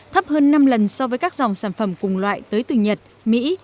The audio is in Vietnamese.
thấp hơn năm lần so với các dòng sản phẩm cùng loại tới từ nhật mỹ